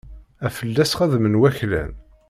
Ad fell-as xedmen waklan.